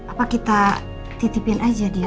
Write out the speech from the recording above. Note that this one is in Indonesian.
apa kita titipin aja dia